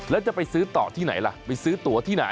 แล้วจะไปซื้อต่อที่ไหนล่ะ